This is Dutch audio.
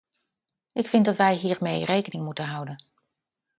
Ik vind dat wij hiermee rekening moeten houden.